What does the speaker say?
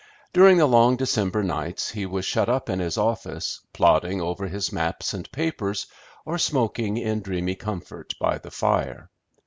During the long December nights he was shut up in his office, plodding over his maps and papers, or smoking in dreamy comfort by the fire.